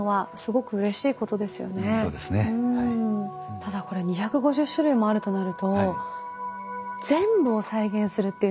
ただこれ２５０種類もあるとなると全部を再現するっていうのって。